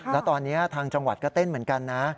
แล้วตอนนี้ทางจังหวัดก็เต้นเหมือนกันนะ